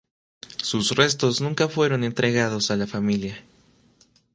Sus restos nunca fueron entregados a la familia.